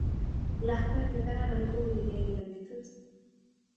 lakwet negararan kouunige kila betut